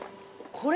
これ！